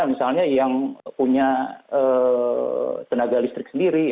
misalnya yang punya tenaga listrik sendiri